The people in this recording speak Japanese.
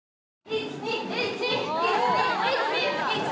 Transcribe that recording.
１２！